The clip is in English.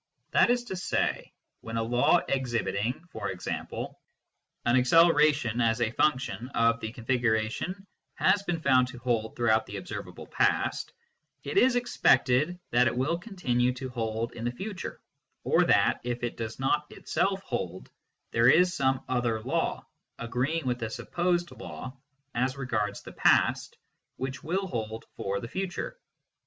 That is to say, when a law exhibiting, e.g. an acceleration as a function of the configuration has been found to hold throughout the observable past, it is expected that it will continue to hold in the future, or that, if it does not itself hold, there is some other law, agreeing with the supposed law as regards the past, which will hold for the future.